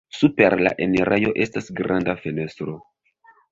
Super la enirejo estas granda fenestro.